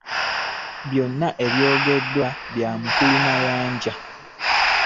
Byonna byayogeddwa Bwanamukulu Mayanja.